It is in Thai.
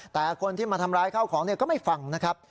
แต่คนที่มาทำร้ายข้าวของก็ไม่ฟังนะครับ